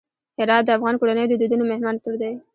هرات د افغان کورنیو د دودونو مهم عنصر دی.